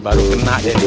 baru kena jadi